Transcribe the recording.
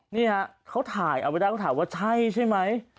นี่ฮะเขาถ่ายเอาไว้ได้เขาถามว่าใช่ใช่ไหม